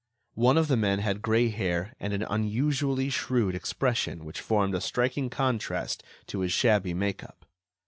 One of the men had grey hair and an unusually shrewd expression which formed a striking contrast to his shabby make up.